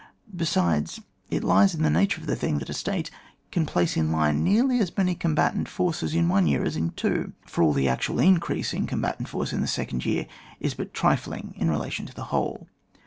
Besides, it lies in the nature of the thing that a State can place in line nearly as many combatant forces in one year as in two ; for all the actual increase of combatant force in the second year is but trifling in relation to the whole.